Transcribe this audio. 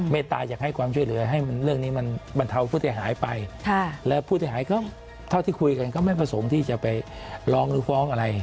ต้าอยากให้ความช่วยเหลือให้เรื่องนี้มันบรรเทาผู้เสียหายไปแล้วผู้เสียหายเขาเท่าที่คุยกันก็ไม่ประสงค์ที่จะไปร้องหรือฟ้องอะไร